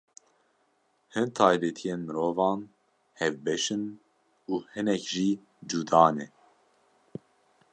Hin taybetiyên mirovan hevbeş in û hinek jî cuda ne.